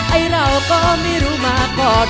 ไอ้เราก็ไม่รู้มาก่อน